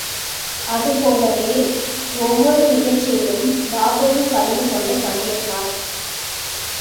அது போலவே ஒவ்வொரு நிகழ்ச்சியிலும் பாபுவும் கலந்து கொண்டு பங்கேற்பார்.